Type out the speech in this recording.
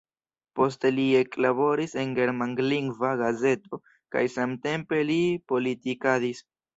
Poste li eklaboris en germanlingva gazeto kaj samtempe li politikadis.